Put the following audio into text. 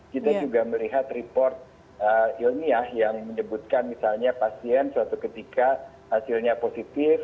kita juga melihat report ilmiah yang menyebutkan misalnya pasien suatu ketika hasilnya positif